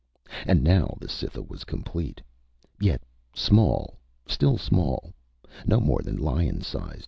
And now the Cytha was complete. Yet small still small no more than lion size.